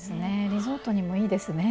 リゾートにもいいですね。